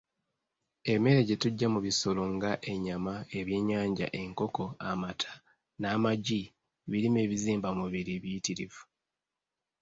Emmere gye tujja mu bisolo nga ennyama, ebyenyanja, enkoko, amata, n'amagi birimu ebizimbamubiri biyitirivu.